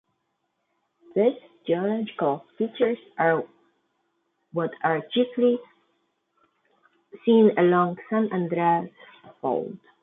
These geological features are what are chiefly seen along San Andreas Fault.